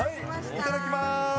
いただきます。